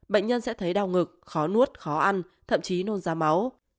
bệnh nhân sẽ thấy đau ngực khó nuốt khó ăn thậm chí nôn ra máu